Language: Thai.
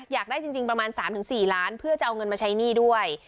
อยากได้จริงประมาณ๓๔ล้านเพื่อจะเอาเงินมาใช้หนี้ด้วย